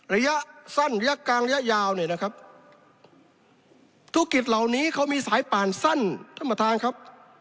ระยะสั้นระยะกลางระยะยาวเนี่ยนะครับธุรกิจเหล่านี้เขามีสายป่านสั้นท่านประธานครับ